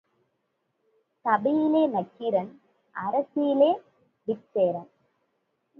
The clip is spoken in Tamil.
சபையிலே நக்கீரன் அரசிலே விற்சேரன்.